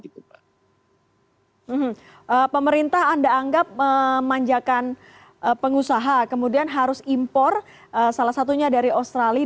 pemerintah anda anggap memanjakan pengusaha kemudian harus impor salah satunya dari australia